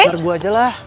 partner gue aja lah